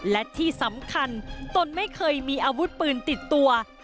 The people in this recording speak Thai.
และที่สำคัญตนไม่เคยมีอาวุธปืนติดตัว